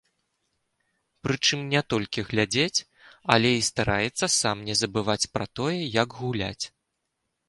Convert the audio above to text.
Прычым не толькі глядзіць, але і стараецца сам не забываць пра тое, як гуляць.